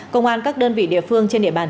công an các đơn vị địa phương trên địa bàn